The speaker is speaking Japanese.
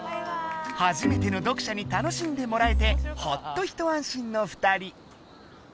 初めての読者に楽しんでもらえてほっと一安心の二人。